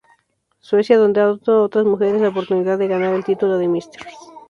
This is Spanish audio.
Suecia, dando a otras mujeres la oportunidad de ganar el título de Mrs.